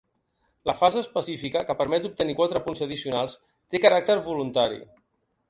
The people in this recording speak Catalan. La fase específica, que permet d’obtenir quatre punts addicionals, té caràcter voluntari.